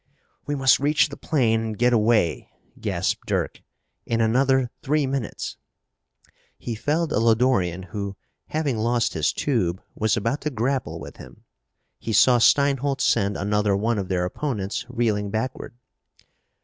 "We must reach the plane and get away," gasped Dirk. "In another three minutes " He felled a Lodorian who, having lost his tube, was about to grapple with him. He saw Steinholt send another one of their opponents reeling backward.